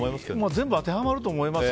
全部当てはまると思います。